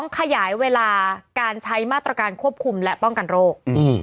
ขยายเวลาการใช้มาตรการควบคุมและป้องกันโรค